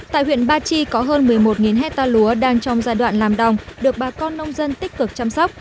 tại huyện ba chi có hơn một mươi một hectare lúa đang trong giai đoạn làm đồng được bà con nông dân tích cực chăm sóc